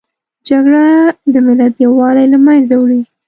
جګړه د ملت یووالي له منځه وړي